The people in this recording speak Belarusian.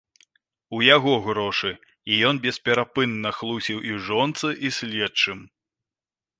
У яго грошы, і ён бесперапынна хлусіў і жонцы, і следчым.